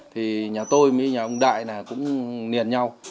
thì nhà tôi với nhà ông đại này cũng liền nhau